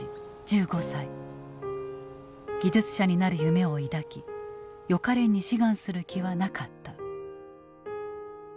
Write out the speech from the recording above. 技術者になる夢を抱き予科練に志願する気はなかった。